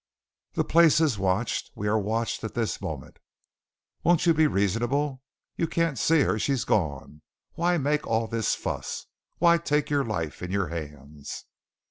The place is watched. We are watched at this moment. Won't you be reasonable? You can't see her. She's gone. Why make all this fuss? Why take your life in your hands?"